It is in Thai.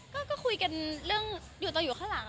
คือได้คุยกันหนักเจอกันไหมคะวันนั้น